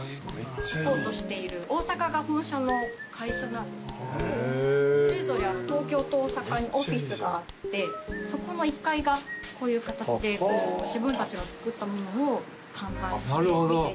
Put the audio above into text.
大阪が本社の会社なんですけどそれぞれ東京と大阪にオフィスがあってそこの１階がこういう形で自分たちの作ったものを販売して見ていただく場所。